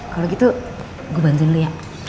kalau gitu gue bantu dulu ya